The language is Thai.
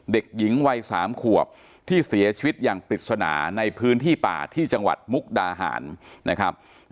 เด็กหญิงวัย๓ขวบที่เสียชีวิตอย่างปริศนาในพื้นที่ป่าที่จังหวัดมุกดาหารนะครับ